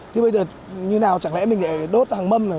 thế bây giờ như nào chẳng lẽ mình lại đốt hàng mâm này